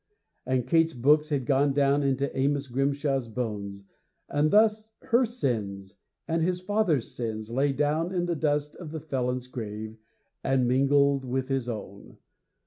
And Kate's books had gone down into Amos Grimshaw's bones; and thus her sins and his father's sins lay down in the dust of the felon's grave and mingled with his own.